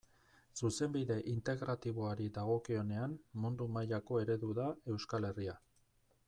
Zuzenbide Integratiboari dagokionean mundu mailako eredu da Euskal Herria.